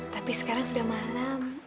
tapi sekarang sudah malam